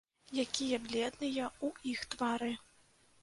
Якія бледныя ў іх твары.